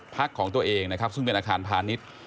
ของตัวเองนะครับซึ่งเป็นอาคารพาณิชย์